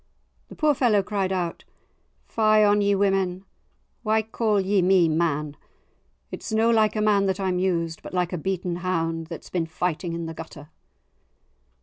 The poor fellow cried out, "Fie on ye, women! why call ye me man? It's no like a man that I'm used, but like a beaten hound that's been fighting in the gutter."